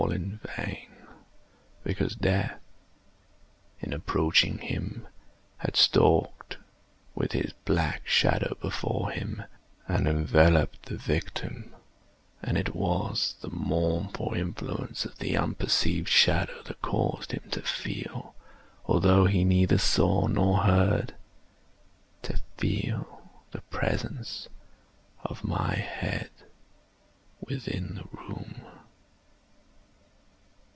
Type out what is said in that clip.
All in vain; because Death, in approaching him had stalked with his black shadow before him, and enveloped the victim. And it was the mournful influence of the unperceived shadow that caused him to feel—although he neither saw nor heard—to feel the presence of my head within the room.